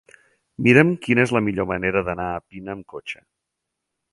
Mira'm quina és la millor manera d'anar a Pina amb cotxe.